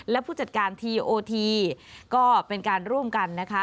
และผู้จัดการทีโอทีก็เป็นการร่วมกันนะคะ